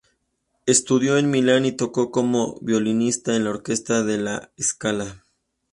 Estudió en Milán y tocó como violinista en la orquesta de la Scala.